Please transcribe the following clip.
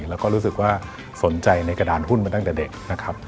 แล้วก็รู้สึกว่าสนใจในกระดานหุ้นมาตั้งแต่เด็กนะครับ